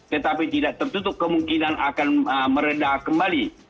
tetapi tidak tertutup kemungkinan akan meredah kembali